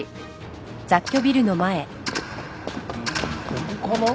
ここかな？